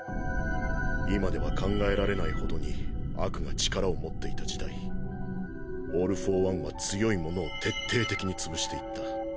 今では考えられない程に悪が力を持っていた時代オール・フォー・ワンは強い者を徹底的に潰していった。